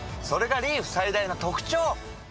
それがリーフ最大の特長！